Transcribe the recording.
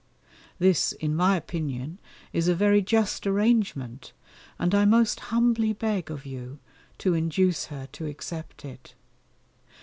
This, in my opinion, is a very just arrangement and I most humbly beg of you to induce her to accept it.